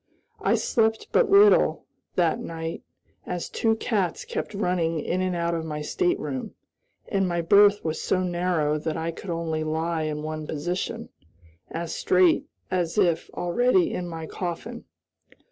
I slept but little, that night, as two cats kept running in and out of my stateroom, and my berth was so narrow that I could only lie in one position as straight as if already in my coffin.